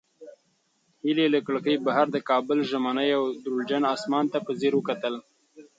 هیلې له کړکۍ بهر د کابل ژمني او دوړجن اسمان ته په ځیر وکتل.